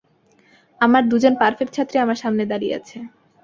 আমার দুজন পারফেক্ট ছাত্রী আমার সামনে দাঁড়িয়ে আছে।